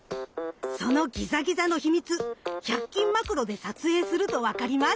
そのギザギザのヒミツ１００均マクロで撮影すると分かります！